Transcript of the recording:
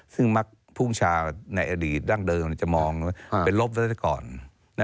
ซึ่งมักภูมิชาในอดีตดั้งเดิมจะมองว่าเป็นลบรัฐก่อน